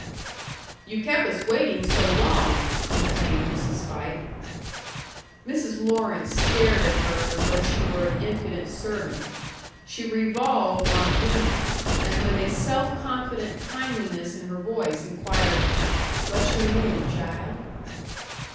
"You kept us waiting so long," complained Mrs. Fike. Mrs. Lawrence stared at her as though she were an impudent servant. She revolved on Una, and with a self confident kindliness in her voice, inquired, "What's your name, child?"